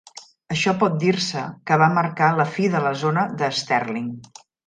Això por dir-se que va marcar la fi de la zona de Sterling.